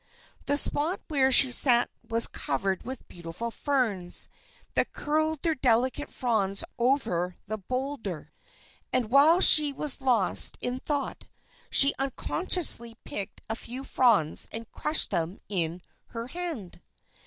The spot where she sat was covered with beautiful ferns that curled their delicate fronds over the boulder. And while she was lost in thought, she unconsciously picked a few fronds and crushed them in her hand.